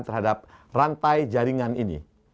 terhadap rantai jaringan ini